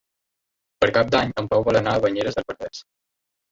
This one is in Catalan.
Per Cap d'Any en Pau vol anar a Banyeres del Penedès.